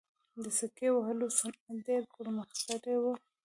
د سکې وهلو صنعت ډیر پرمختللی و